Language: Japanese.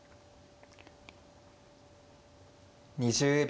２０秒。